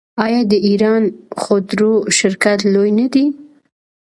آیا د ایران خودرو شرکت لوی نه دی؟